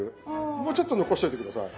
もうちょっと残しといて下さい。